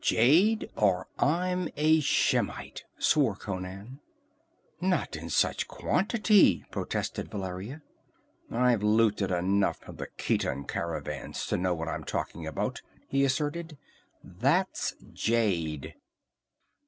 "Jade, or I'm a Shemite!" swore Conan. "Not in such quantity!" protested Valeria. "I've looted enough from the Khitan caravans to know what I'm talking about," he asserted. "That's jade!"